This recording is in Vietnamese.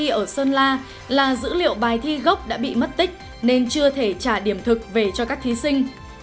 ở sơn la là dữ liệu bài thi gốc đã bị mất tích nên chưa thể trả điểm thực về cho các thí sinh